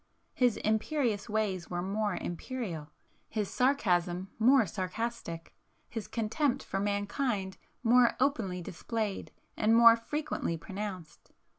His imperious ways were more imperial,—his sarcasm more sarcastic,—his contempt for mankind more openly displayed and more frequently pronounced.